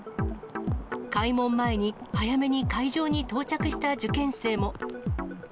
開門前に早めに会場に到着した受験生も。